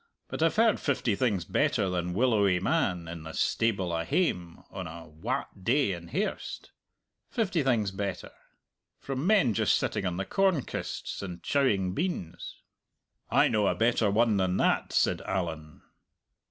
But I've heard fifty things better than 'willowy man' in the stable a hame on a wat day in hairst fifty things better from men just sitting on the corn kists and chowing beans." "I know a better one than that," said Allan.